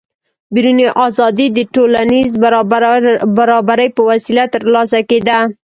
بیروني ازادي د ټولنیز برابري په وسیله ترلاسه کېده.